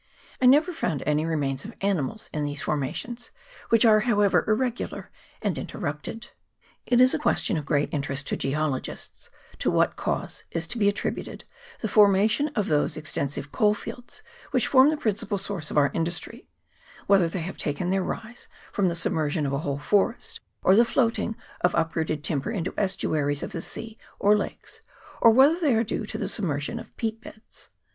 I never found any remains of animals in these formations, which are however irregular and inter rupted. It is a question of great interest to geologists, to what cause is to be ascribed the formation of those extensive coal fields which form the principal source of our industry, whether they have taken their rise from the submersion of a whole forest, or the float ing of uprooted timber into estuaries of the sea or lakes, or whether they are due to the submersion of peat beds.